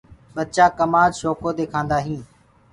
ٻچآ ڪمآد شوڪو دي کآندآ هين۔